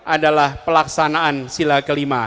adalah pelaksanaan sila kelima